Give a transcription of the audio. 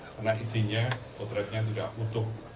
karena isinya potretnya tidak utuh